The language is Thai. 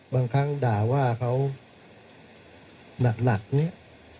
บางครั้งด่าว่าเขาหนักเนี่ย